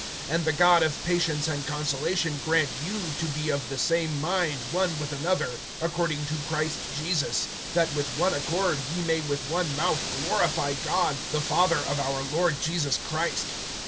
(5)And the God of patience and consolation grant you to be of the same mind one with another, according to Christ Jesus; (6)that with one accord ye may with one mouth glorify God, the Father of our Lord Jesus Christ.